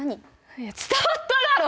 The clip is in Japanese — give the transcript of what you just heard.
いや伝わっただろ！